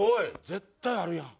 絶対あるやん。